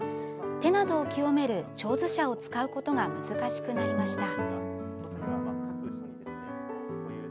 手などを清める手水舎を使うことが難しくなりました。